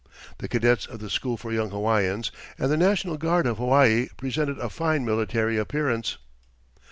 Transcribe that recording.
The cadets of the school for young Hawaiians and the National Guard of Hawaii presented a fine military appearance.